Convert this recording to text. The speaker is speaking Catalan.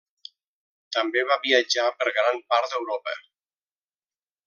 També va viatjar per gran part d'Europa.